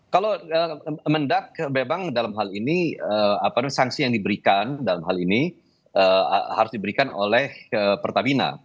kalau mendak memang dalam hal ini sanksi yang diberikan dalam hal ini harus diberikan oleh pertamina